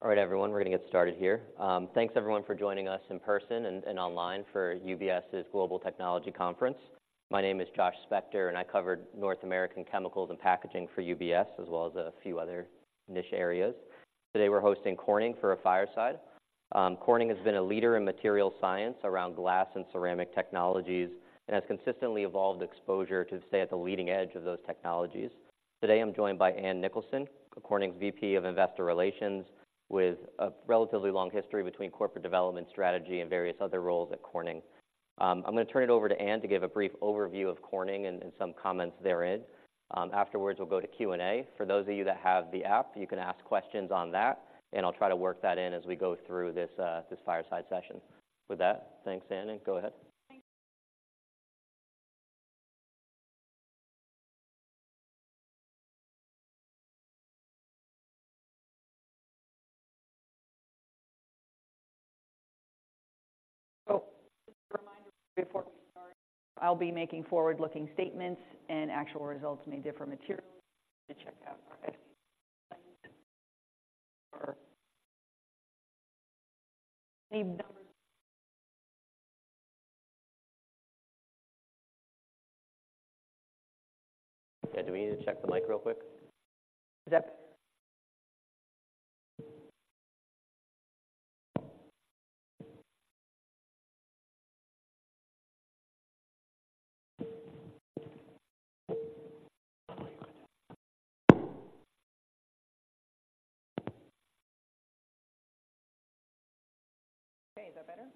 All right, everyone, we're gonna get started here. Thanks everyone for joining us in person and online for UBS's Global Technology Conference. My name is Josh Spector, and I cover North American Chemicals and Packaging for UBS, as well as a few other niche areas. Today, we're hosting Corning for a fireside. Corning has been a leader in material science around glass and ceramic technologies and has consistently evolved exposure to stay at the leading edge of those technologies. Today, I'm joined by Ann Nicholson, Corning's VP of Investor Relations, with a relatively long history between corporate development strategy and various other roles at Corning. I'm gonna turn it over to Ann to give a brief overview of Corning and some comments therein. Afterwards, we'll go to Q&A. For those of you that have the app, you can ask questions on that, and I'll try to work that in as we go through this, this fireside session. With that, thanks, Ann, and go ahead. Thanks. So a reminder before we start, I'll be making forward-looking statements, and actual results may differ materially. To check out our Yeah, do we need to check the mic real quick? Is that... Okay, is that better?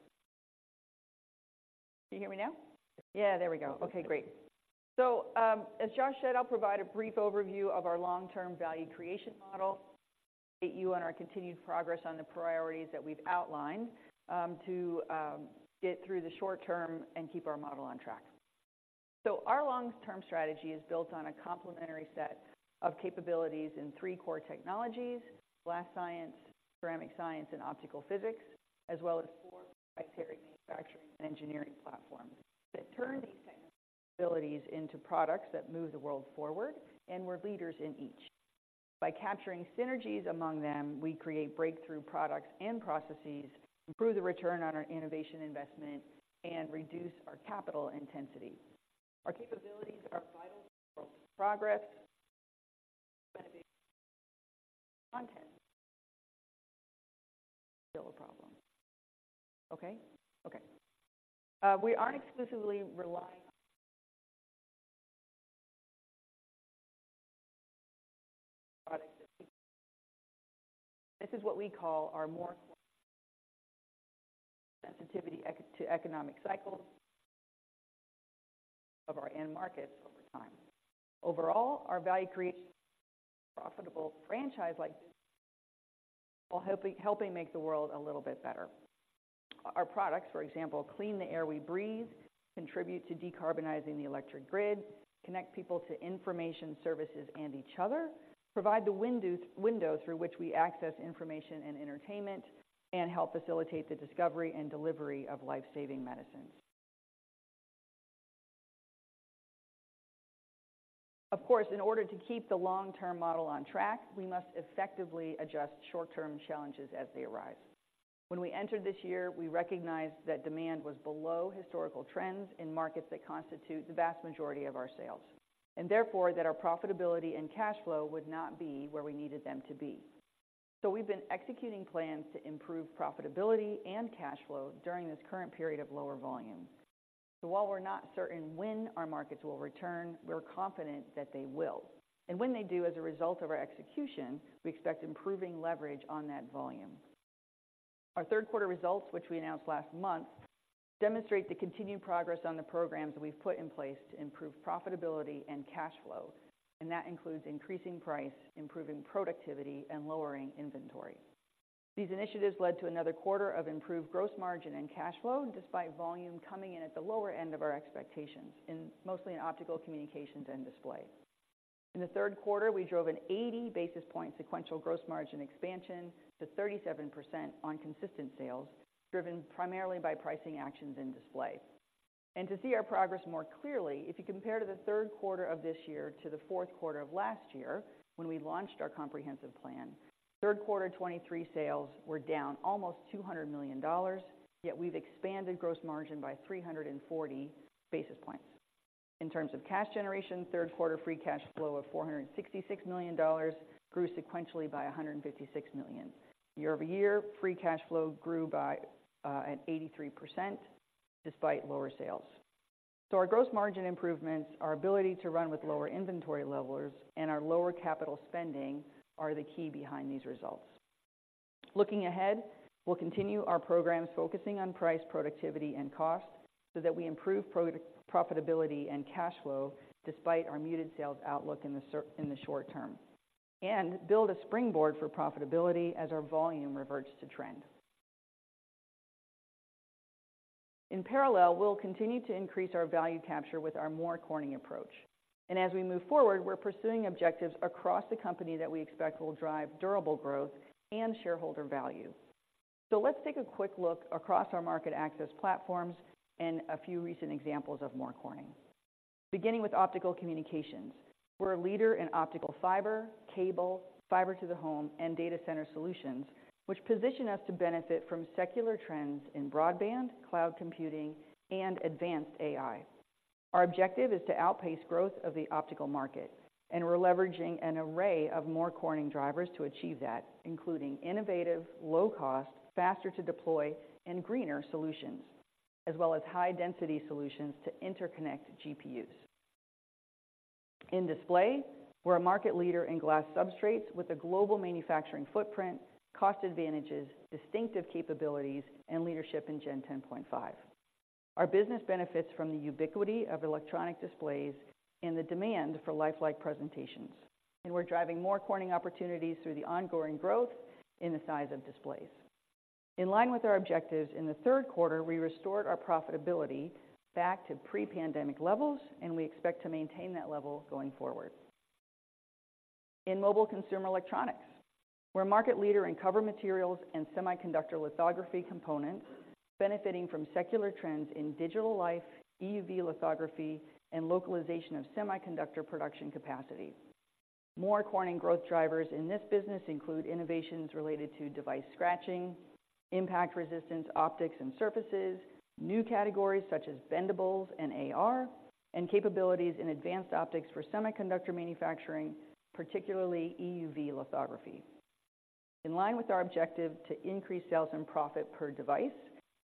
Can you hear me now? Yeah, there we go. Okay, great. So, as Josh said, I'll provide a brief overview of our long-term value creation model, update you on our continued progress on the priorities that we've outlined, to get through the short term and keep our model on track. So our long-term strategy is built on a complementary set of capabilities in three core technologies: glass science, ceramic science, and optical physics, as well as four proprietary manufacturing and engineering platforms that turn these technologies' abilities into products that move the world forward, and we're leaders in each. By capturing synergies among them, we create breakthrough products and processes, improve the return on our innovation investment, and reduce our capital intensity. Our capabilities are vital to progress. Content. Still a problem. Okay? Okay. We aren't exclusively relying... This is what we call our More Corning sensitivity to economic cycles of our end markets over time. Overall, our value creation, profitable, franchise-like, while helping make the world a little bit better. Our products, for example, clean the air we breathe, contribute to decarbonizing the electric grid, connect people to information services and each other, provide the window through which we access information and entertainment, and help facilitate the discovery and delivery of life-saving medicines. Of course, in order to keep the long-term model on track, we must effectively adjust short-term challenges as they arise. When we entered this year, we recognized that demand was below historical trends in markets that constitute the vast majority of our sales, and therefore, that our profitability and cash flow would not be where we needed them to be. So we've been executing plans to improve profitability and cash flow during this current period of lower volume. So while we're not certain when our markets will return, we're confident that they will. And when they do, as a result of our execution, we expect improving leverage on that volume. Our third quarter results, which we announced last month, demonstrate the continued progress on the programs that we've put in place to improve profitability and cash flow, and that includes increasing price, improving productivity, and lowering inventory. These initiatives led to another quarter of improved gross margin and cash flow, despite volume coming in at the lower end of our expectations, in mostly Optical Communications and Display. In the third quarter, we drove an 80 basis point sequential gross margin expansion to 37% on consistent sales, driven primarily by pricing actions and Display. To see our progress more clearly, if you compare to the third quarter of this year to the fourth quarter of last year, when we launched our comprehensive plan, third quarter 2023 sales were down almost $200 million, yet we've expanded Gross Margin by 340 basis points. In terms of cash generation, third quarter Free Cash Flow of $466 million grew sequentially by $156 million. Year-over-year, Free Cash Flow grew by at 83% despite lower sales. So our Gross Margin improvements, our ability to run with lower inventory levels, and our lower capital spending are the key behind these results. Looking ahead, we'll continue our programs focusing on price, productivity, and cost, so that we improve profitability and cash flow despite our muted sales outlook in the short term, and build a springboard for profitability as our volume reverts to trend. In parallel, we'll continue to increase our value capture with our More Corning approach. As we move forward, we're pursuing objectives across the company that we expect will drive durable growth and shareholder value. Let's take a quick look across our market access platforms and a few recent examples of More Corning... Beginning with Optical Communications. We're a leader in optical fiber, cable, Fiber to the Home, and data center solutions, which position us to benefit from secular trends in broadband, cloud computing, and advanced AI. Our objective is to outpace growth of the optical market, and we're leveraging an array of More Corning drivers to achieve that, including innovative, low cost, faster to deploy, and greener solutions, as well as high-density solutions to interconnect GPUs. In Display, we're a market leader in glass substrates with a global manufacturing footprint, cost advantages, distinctive capabilities, and leadership in Gen 10.5. Our business benefits from the ubiquity of electronic Displays and the demand for lifelike presentations, and we're driving More Corning opportunities through the ongoing growth in the size of Displays. In line with our objectives, in the third quarter, we restored our profitability back to pre-pandemic levels, and we expect to maintain that level going forward. In Mobile Consumer Electronics, we're a market leader in cover materials and semiconductor lithography components, benefiting from secular trends in digital life, EUV lithography, and localization of semiconductor production capacity. More Corning growth drivers in this business include innovations related to device scratching, impact resistance, optics and surfaces, new categories such as bendables and AR, and capabilities in advanced optics for semiconductor manufacturing, particularly EUV lithography. In line with our objective to increase sales and profit per device,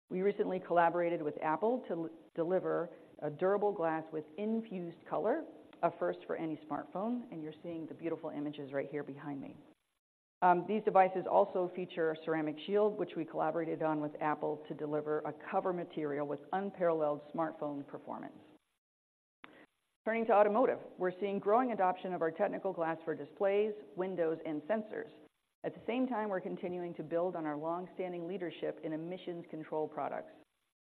we recently collaborated with Apple to deliver a durable glass with infused color, a first for any smartphone, and you're seeing the beautiful images right here behind me. These devices also feature a Ceramic Shield, which we collaborated on with Apple, to deliver a cover material with unparalleled smartphone performance. Turning to Automotive, we're seeing growing adoption of our technical glass for Displays, windows, and sensors. At the same time, we're continuing to build on our long-standing leadership in emissions control products.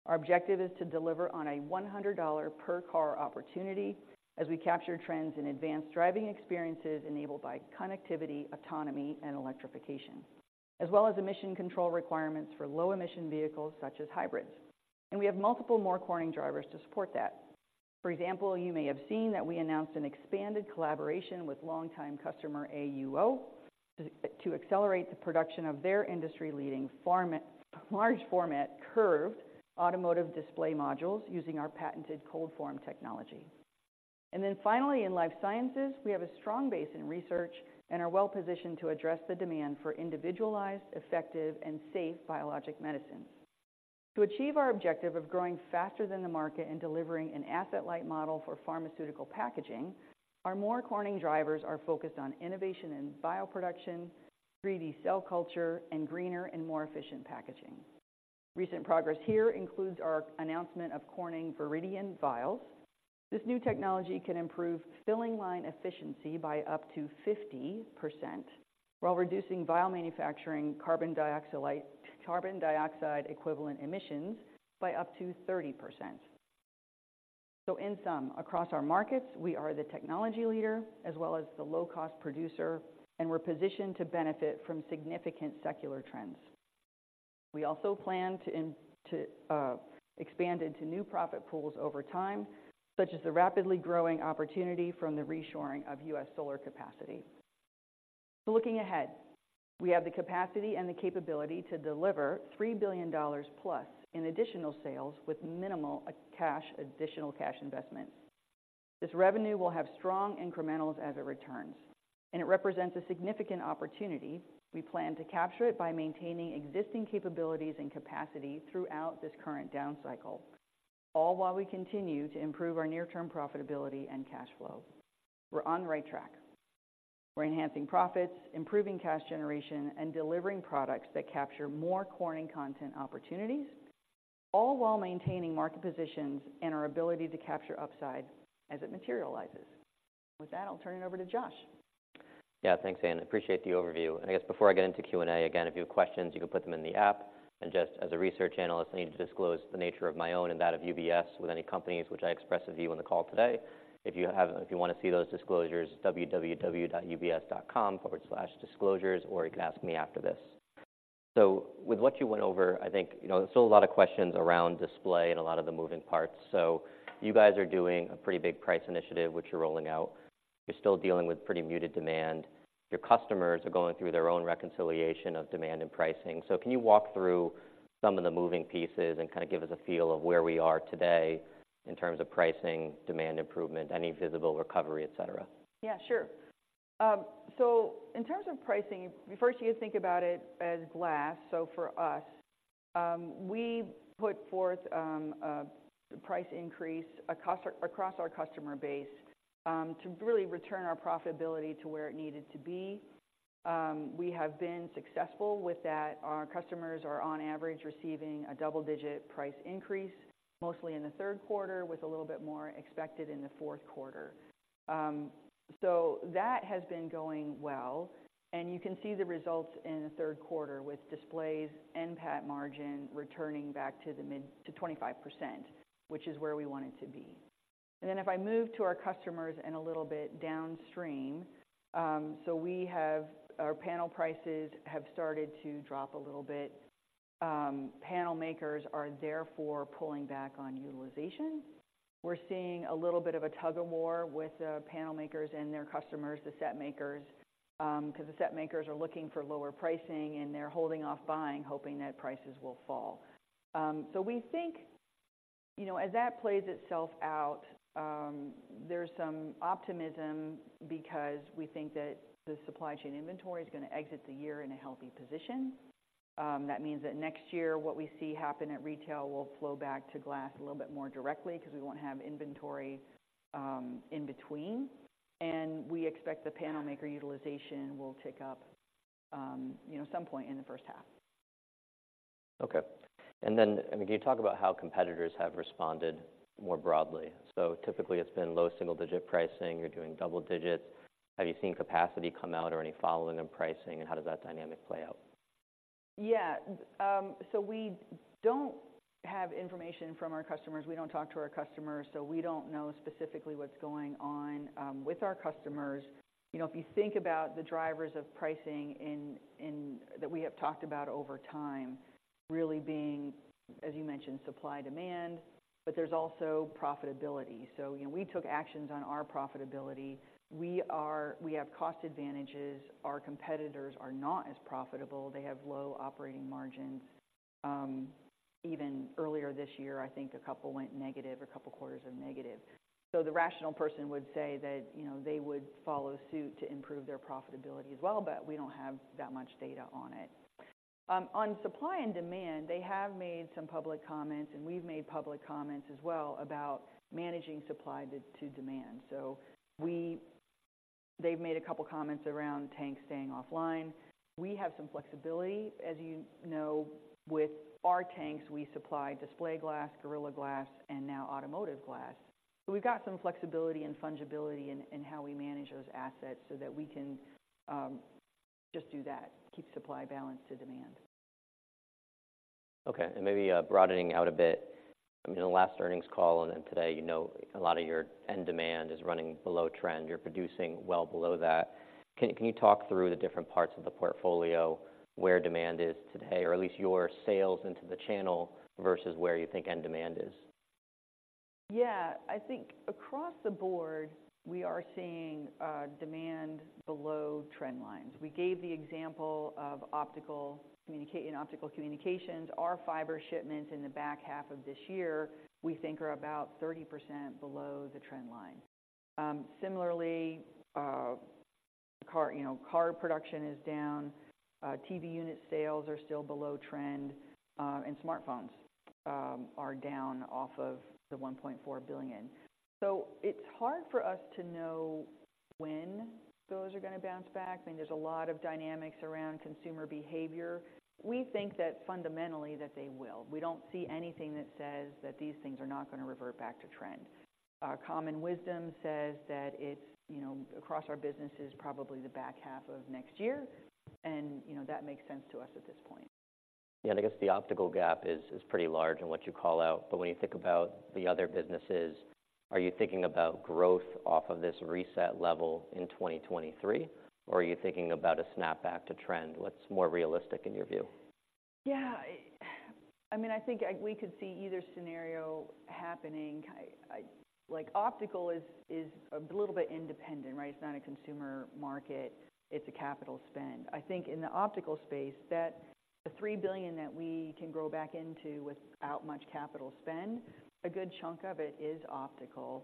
Our objective is to deliver on a $100 per car opportunity as we capture trends in advanced driving experiences enabled by connectivity, autonomy, and electrification, as well as emission control requirements for low-emission vehicles such as hybrids. And we have multiple More Corning drivers to support that. For example, you may have seen that we announced an expanded collaboration with longtime customer AUO, to accelerate the production of their industry-leading large format, curved Automotive Display modules using our patented ColdForm Technology. And then finally, in Life Sciences, we have a strong base in research and are well positioned to address the demand for individualized, effective, and safe biologic medicines. To achieve our objective of growing faster than the market and delivering an asset-light model for pharmaceutical packaging, our More Corning drivers are focused on innovation in Bioproduction, 3D Cell Culture, and greener and more efficient packaging. Recent progress here includes our announcement of Corning Viridian Vials. This new technology can improve filling line efficiency by up to 50%, while reducing vial manufacturing carbon dioxide equivalent emissions by up to 30%. So in sum, across our markets, we are the technology leader as well as the low-cost producer, and we're positioned to benefit from significant secular trends. We also plan to expand into new profit pools over time, such as the rapidly growing opportunity from the reshoring of U.S. solar capacity. Looking ahead, we have the capacity and the capability to deliver $3 billion plus in additional sales with minimal additional cash investment. This revenue will have strong incrementals as it returns, and it represents a significant opportunity. We plan to capture it by maintaining existing capabilities and capacity throughout this current down cycle, all while we continue to improve our near-term profitability and cash flow. We're on the right track. We're enhancing profits, improving cash generation, and delivering products that capture more Corning content opportunities, all while maintaining market positions and our ability to capture upside as it materializes. With that, I'll turn it over to Josh. Yeah, thanks, Ann. I appreciate the overview. I guess before I get into Q&A, again, if you have questions, you can put them in the app. And just as a research analyst, I need to disclose the nature of my own and that of UBS with any companies which I express a view on the call today. If you want to see those disclosures, www.ubs.com/disclosures, or you can ask me after this. So with what you went over, I think, you know, there's still a lot of questions around Display and a lot of the moving parts. So you guys are doing a pretty big price initiative, which you're rolling out. You're still dealing with pretty muted demand. Your customers are going through their own reconciliation of demand and pricing. Can you walk through some of the moving pieces and kind of give us a feel of where we are today in terms of pricing, demand, improvement, any visible recovery, et cetera? Yeah, sure. So in terms of pricing, first, you think about it as glass. So for us, we put forth a price increase across our customer base to really return our profitability to where it needed to be. We have been successful with that. Our customers are, on average, receiving a double-digit price increase, mostly in the third quarter, with a little bit more expected in the fourth quarter. So that has been going well, and you can see the results in the third quarter with Displays and PAT margin returning back to the mid- to 25%, which is where we want it to be. And then if I move to our customers and a little bit downstream, so we have our panel prices have started to drop a little bit. Panel makers are therefore pulling back on utilization. We're seeing a little bit of a tug-of-war with the panel makers and their customers, the set makers, because the set makers are looking for lower pricing and they're holding off buying, hoping that prices will fall. So we think, you know, as that plays itself out, there's some optimism because we think that the supply chain inventory is going to exit the year in a healthy position. That means that next year, what we see happen at retail will flow back to glass a little bit more directly because we won't have inventory, in between. And we expect the panel maker utilization will tick up, you know, at some point in the first half. Okay. Can you talk about how competitors have responded more broadly? Typically, it's been low double-digit pricing, you're doing double digits. Have you seen capacity come out or any following in pricing, and how does that dynamic play out? Yeah. So we don't have information from our customers. We don't talk to our customers, so we don't know specifically what's going on with our customers. You know, if you think about the drivers of pricing in that we have talked about over time, really being, as you mentioned, supply, demand, but there's also profitability. So, you know, we took actions on our profitability. We have cost advantages. Our competitors are not as profitable. They have low operating margins. Even earlier this year, I think a couple went negative, a couple quarters are negative. So the rational person would say that, you know, they would follow suit to improve their profitability as well, but we don't have that much data on it. On supply and demand, they have made some public comments, and we've made public comments as well about managing supply to demand. So they've made a couple comments around tanks staying offline. We have some flexibility, as you know, with our tanks, we supply Display glass, Gorilla Glass, and now Automotive Glass. So we've got some flexibility and fungibility in how we manage those assets so that we can just do that, keep supply balanced to demand. Okay, and maybe broadening out a bit. I mean, the last earnings call and then today, you know, a lot of your end demand is running below trend. You're producing well below that. Can you talk through the different parts of the portfolio where demand is today, or at least your sales into the channel versus where you think end demand is? Yeah. I think across the board, we are seeing demand below trend lines. We gave the example of Optical Communications. Our fiber shipments in the back half of this year, we think are about 30% below the trend line. Similarly, you know, car production is down. TV unit sales are still below trend, and smartphones are down off of the 1.4 billion. So it's hard for us to know when those are going to bounce back. I think there's a lot of dynamics around consumer behavior. We think that fundamentally, that they will. We don't see anything that says that these things are not going to revert back to trend. Our common wisdom says that it's, you know, across our businesses, probably the back half of next year, and, you know, that makes sense to us at this point. Yeah, and I guess the optical gap is pretty large in what you call out, but when you think about the other businesses, are you thinking about growth off of this reset level in 2023, or are you thinking about a snapback to trend? What's more realistic in your view? Yeah, I mean, I think we could see either scenario happening. Like, optical is a little bit independent, right? It's not a consumer market, it's a capital spend. I think in the optical space, the $3 billion that we can grow back into without much capital spend, a good chunk of it is optical.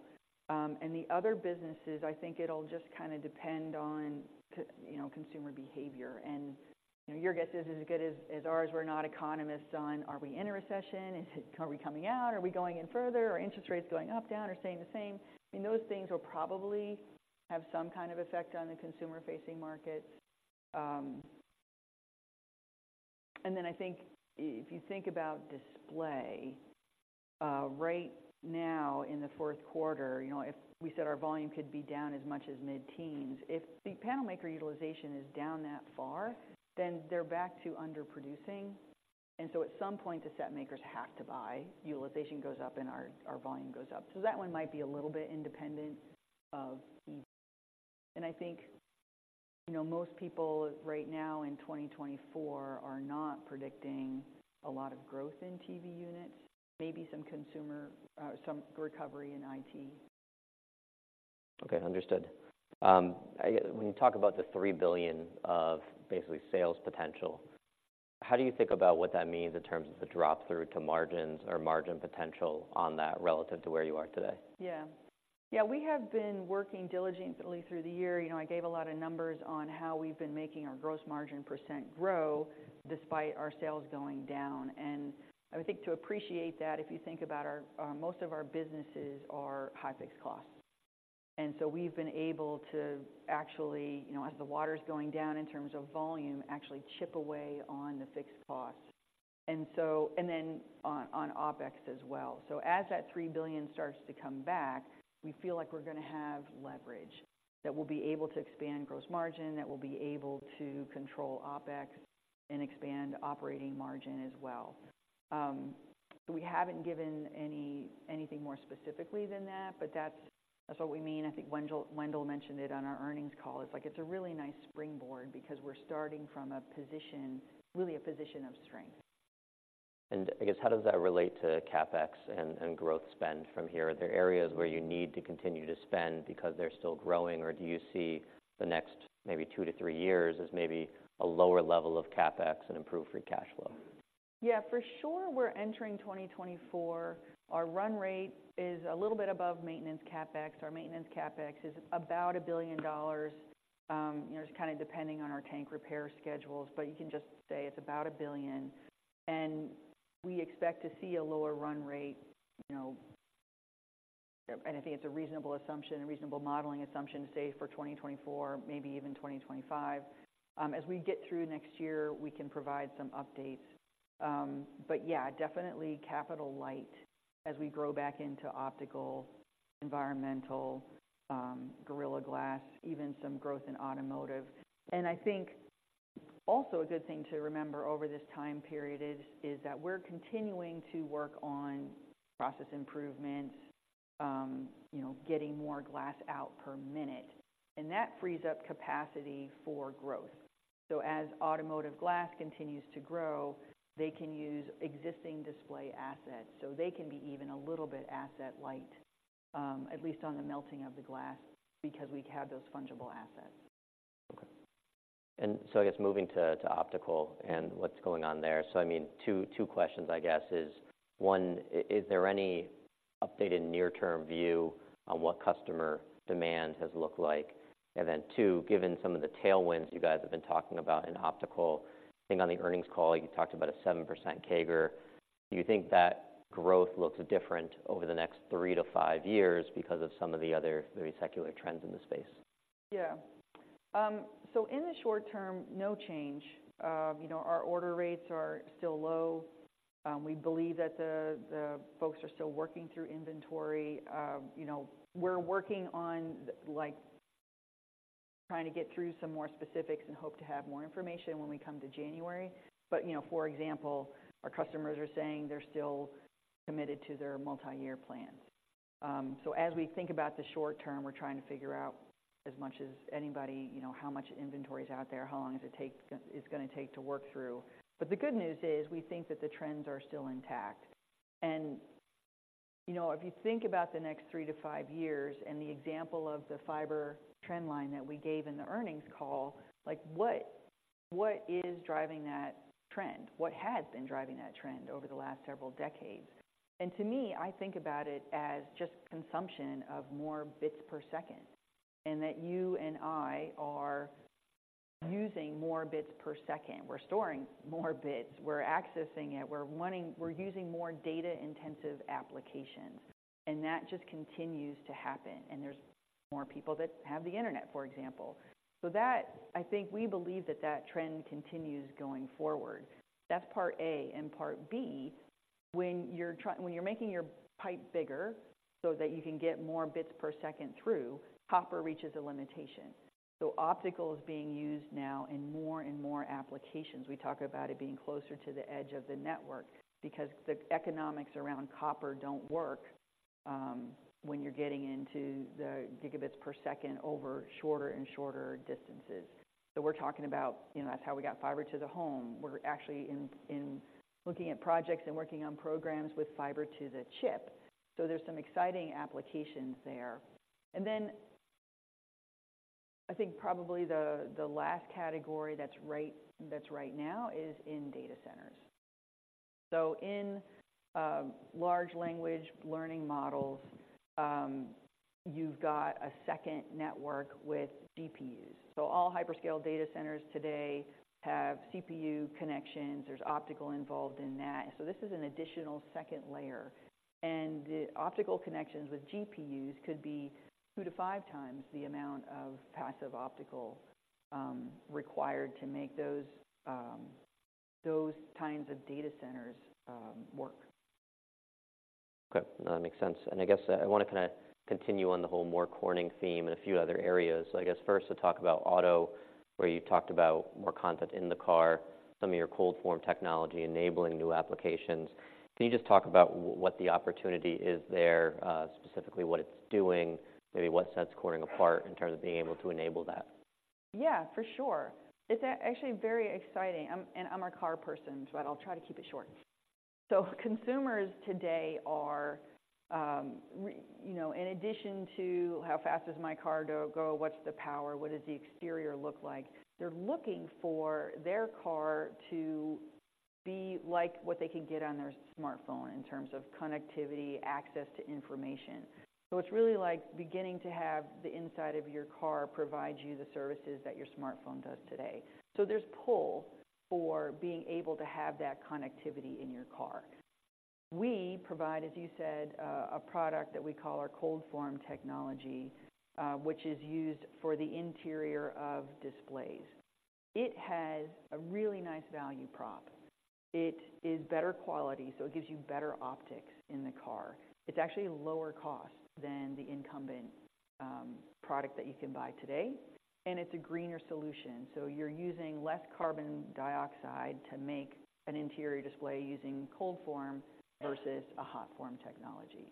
And the other businesses, I think it'll just kinda depend on, you know, consumer behavior. And, you know, your guess is as good as ours. We're not economists on, are we in a recession? Is it, are we coming out? Are we going in further? Are interest rates going up, down, or staying the same? I mean, those things will probably have some kind of effect on the consumer-facing market. And then I think if you think about Display, right now in the fourth quarter, you know, if we said our volume could be down as much as mid-teens, if the panel maker utilization is down that far, then they're back to underproducing. And so at some point, the set makers have to buy. Utilization goes up, and our, our volume goes up. So that one might be a little bit independent of TV. And I think, you know, most people right now in 2024 are not predicting a lot of growth in TV units, maybe some consumer, some recovery in IT. Okay, understood. When you talk about the $3 billion of basically sales potential, how do you think about what that means in terms of the drop-through to margins or margin potential on that relative to where you are today? Yeah. Yeah, we have been working diligently through the year. You know, I gave a lot of numbers on how we've been making our gross margin % grow despite our sales going down. And I would think to appreciate that, if you think about our, most of our businesses are high fixed costs. And so we've been able to actually, you know, as the water's going down in terms of volume, actually chip away on the fixed costs. And so, and then on, on OpEx as well. So as that $3 billion starts to come back, we feel like we're gonna have leverage, that we'll be able to expand gross margin, that we'll be able to control OpEx and expand operating margin as well. We haven't given anything more specifically than that, but that's, that's what we mean. I think Wendell, Wendell mentioned it on our earnings call. It's like, it's a really nice Springboard because we're starting from a position, really a position of strength. I guess, how does that relate to CapEx and growth spend from here? Are there areas where you need to continue to spend because they're still growing, or do you see the next maybe 2-3 years as maybe a lower level of CapEx and improved Free Cash Flow? Yeah, for sure, we're entering 2024. Our run rate is a little bit above maintenance CapEx. Our maintenance CapEx is about $1 billion, you know, just kind of depending on our tank repair schedules, but you can just say it's about $1 billion, and we expect to see a lower run rate, you know. And I think it's a reasonable assumption, a reasonable modeling assumption to say for 2024, maybe even 2025. As we get through next year, we can provide some updates. But yeah, definitely capital light as we grow back into Optical, Environmental, Gorilla Glass, even some growth in Automotive. And I think also a good thing to remember over this time period is, is that we're continuing to work on process improvement, you know, getting more glass out per minute, and that frees up capacity for growth. So as Automotive glass continues to grow, they can use existing Display assets, so they can be even a little bit asset light, at least on the melting of the glass, because we have those fungible assets. Okay. So I guess moving to optical and what's going on there. So I mean, 2 questions, I guess is, 1, is there any updated near-term view on what customer demand has looked like? And then 2, given some of the tailwinds you guys have been talking about in optical, I think on the earnings call, you talked about a 7% CAGR. Do you think that growth looks different over the next 3-5 years because of some of the other very secular trends in the space? Yeah. So in the short term, no change. You know, our order rates are still low. We believe that the folks are still working through inventory. You know, we're working on, like, trying to get through some more specifics and hope to have more information when we come to January. But, you know, for example, our customers are saying they're still committed to their multiyear plans. So as we think about the short term, we're trying to figure out, as much as anybody, you know, how much inventory is out there, how long it's gonna take to work through. But the good news is, we think that the trends are still intact. You know, if you think about the next 3-5 years and the example of the fiber trend line that we gave in the earnings call, like, what is driving that trend? What has been driving that trend over the last several decades? And to me, I think about it as just consumption of more bits per second, and that you and I are using more bits per second. We're storing more bits, we're accessing it, we're wanting—we're using more data-intensive applications, and that just continues to happen, and there's more people that have the internet, for example. So that, I think we believe that that trend continues going forward. That's part A, and part B, when you're making your pipe bigger so that you can get more bits per second through, copper reaches a limitation. So optical is being used now in more and more applications. We talk about it being closer to the edge of the network because the economics around copper don't work when you're getting into the gigabits per second over shorter and shorter distances. So we're talking about, you know, that's how we got fiber to the home. We're actually in looking at projects and working on programs with fiber to the chip. So there's some exciting applications there. And then, I think probably the last category that's right, that's right now is in data centers. So in large language learning models, you've got a second network with GPUs. So all hyperscale data centers today have CPU connections. There's optical involved in that. This is an additional second layer, and the optical connections with GPUs could be 2-5 times the amount of passive optical required to make those kinds of data centers work. Okay, that makes sense. I guess I want to kind of continue on the whole More Corning theme in a few other areas. So I guess first, to talk about auto, where you talked about more content in the car, some of your Cold Form Technology enabling new applications. Can you just talk about what the opportunity is there, specifically what it's doing, maybe what sets Corning apart in terms of being able to enable that? Yeah, for sure. It's actually very exciting. And I'm a car person, but I'll try to keep it short. So consumers today are, you know, in addition to how fast does my car go? What's the power? What does the exterior look like? They're looking for their car to be like what they can get on their smartphone in terms of connectivity, access to information. So it's really like beginning to have the inside of your car provide you the services that your smartphone does today. So there's pull for being able to have that connectivity in your car. We provide, as you said, a product that we call our Cold Form Technology, which is used for the interior of Displays. It has a really nice value prop. It is better quality, so it gives you better optics in the car. It's actually lower cost than the incumbent product that you can buy today, and it's a greener solution. So you're using less carbon dioxide to make an interior Display using cold form versus a hot form technology.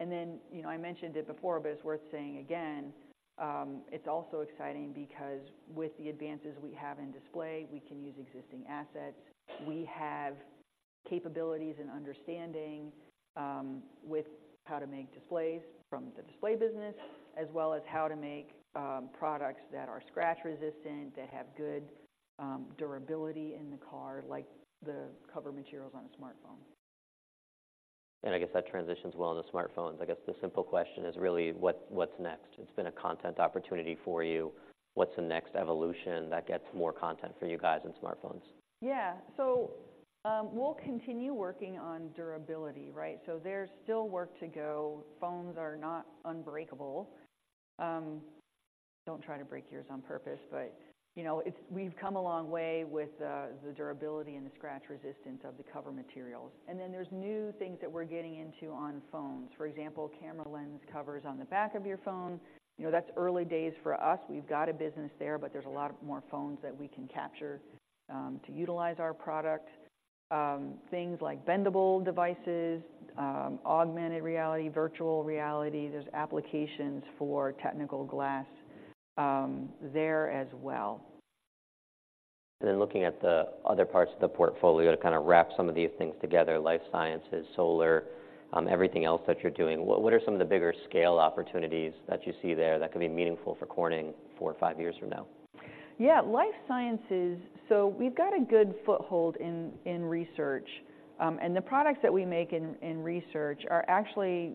And then, you know, I mentioned it before, but it's worth saying again, it's also exciting because with the advances we have in Display, we can use existing assets. We have capabilities and understanding with how to make Displays from the Display business, as well as how to make products that are scratch-resistant, that have good durability in the car, like the cover materials on a smartphone. I guess that transitions well into smartphones. I guess the simple question is really: what's next? It's been a content opportunity for you. What's the next evolution that gets more content for you guys in smartphones? Yeah. So, we'll continue working on durability, right? So there's still work to go. Phones are not unbreakable. Don't try to break yours on purpose, but, you know, it's. We've come a long way with the durability and the scratch resistance of the cover materials. And then there's new things that we're getting into on phones, for example, camera lens covers on the back of your phone. You know, that's early days for us. We've got a business there, but there's a lot of more phones that we can capture to utilize our product. Things like bendable devices, augmented reality, virtual reality, there's applications for technical glass there as well. Then looking at the other parts of the portfolio to kind of wrap some of these things together, life sciences, solar, everything else that you're doing, what are some of the bigger scale opportunities that you see there that could be meaningful for Corning four or five years from now? Yeah, life sciences, so we've got a good foothold in research. And the products that we make in research are actually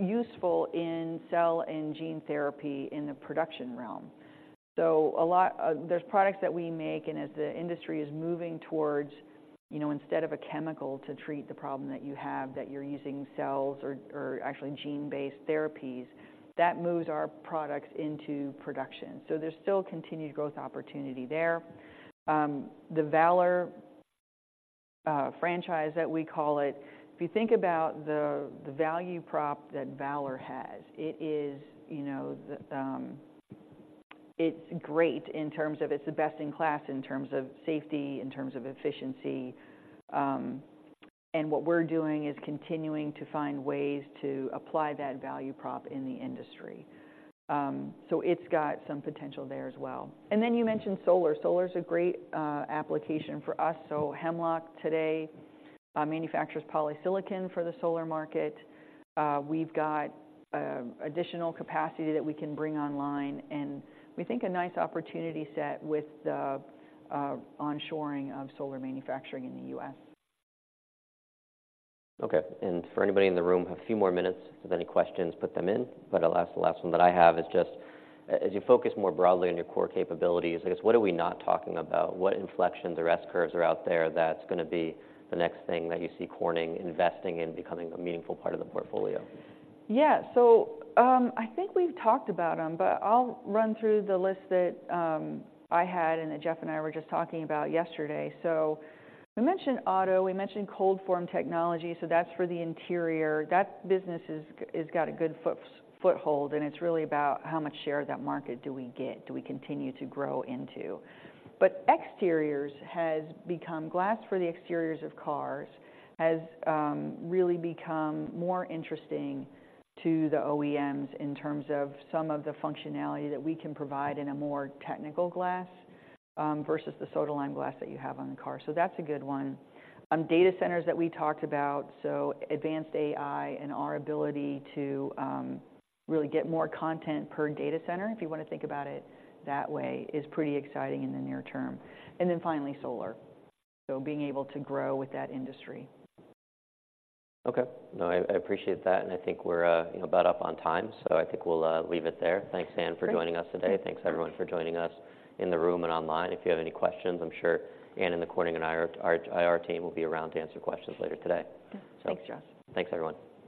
useful in cell and gene therapy in the production realm. So a lot. There's products that we make, and as the industry is moving towards, you know, instead of a chemical to treat the problem that you have, that you're using cells or actually gene-based therapies, that moves our products into production. So there's still continued growth opportunity there. The Valor franchise, that we call it, if you think about the value prop that Valor has, it is, you know, the. It's great in terms of it's the best in class, in terms of safety, in terms of efficiency. And what we're doing is continuing to find ways to apply that value prop in the industry. So it's got some potential there as well. And then you mentioned solar. Solar is a great application for us. So Hemlock today manufactures polysilicon for the solar market. We've got additional capacity that we can bring online, and we think a nice opportunity set with the onshoring of solar manufacturing in the U.S. Okay. For anybody in the room, a few more minutes. If any questions, put them in. But the last one that I have is just, as you focus more broadly on your core capabilities, I guess, what are we not talking about? What inflection points or S curves are out there, that's gonna be the next thing that you see Corning investing in, becoming a meaningful part of the portfolio? Yeah. So, I think we've talked about them, but I'll run through the list that I had and that Jeff and I were just talking about yesterday. So we mentioned auto, we mentioned Cold Form Technology, so that's for the interior. That business is got a good foothold, and it's really about how much share of that market do we get, do we continue to grow into? But exteriors has become... Glass for the exteriors of cars has really become more interesting to the OEMs in terms of some of the functionality that we can provide in a more technical glass versus the soda lime glass that you have on the car. So that's a good one. Data centers that we talked about, so advanced AI and our ability to really get more content per data center, if you wanna think about it that way, is pretty exciting in the near term. And then finally, solar, so being able to grow with that industry. Okay. No, I appreciate that, and I think we're, you know, about up on time, so I think we'll leave it there. Thanks, Ann, for joining us today. Great. Thanks, everyone, for joining us in the room and online. If you have any questions, I'm sure Ann and the Corning and IR, IR Team will be around to answer questions later today. Thanks, Josh. Thanks, everyone.